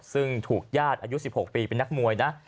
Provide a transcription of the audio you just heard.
ซึ่งถูกญาติอายุ๑๖ปีเป็นนักมวยนะ